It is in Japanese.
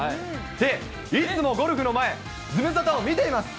で、いつもゴルフの前、ズムサタを見ています。